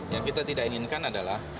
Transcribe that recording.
yang kita tidak inginkan adalah